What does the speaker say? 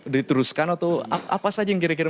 diteruskan atau apa saja yang kira kira